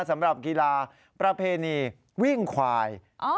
สำหรับกีฬาประเพณีวิ่งควาย